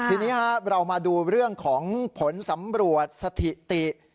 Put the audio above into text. ทีนี้เรามาดูเรื่องของผลสำรวจสถิติ